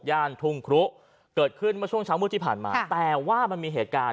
ย่านทุ่งครุกเกิดขึ้นมาช่วงเช้าเมื่อที่ผ่านมาค่ะแต่ว่ามันมีเหตุการณ์